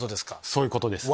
そういうことですね。